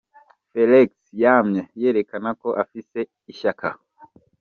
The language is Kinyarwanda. "Felix yamye yerekana ko afise ishaka.